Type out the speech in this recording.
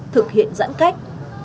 thực hiện giãn cách